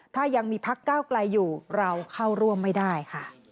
ถ้ายังมีพักเก้าไกลอยู่เราเข้าร่วมไม่ได้ค่ะ